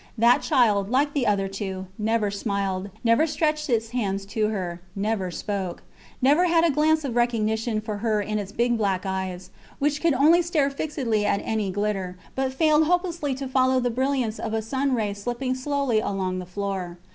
That child, like the other two, never smiled, never stretched its hands to her, never spoke; never had a glance of recognition for her in its big black eyes, which could only stare fixedly at any glitter, but failed hopelessly to follow the brilliance of a sun ray slipping slowly along the floor.